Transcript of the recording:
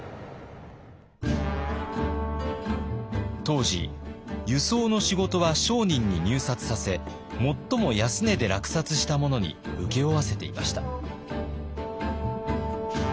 当時輸送の仕事は商人に入札させ最も安値で落札した者に請け負わせていました。